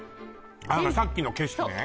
あのさっきの景色ね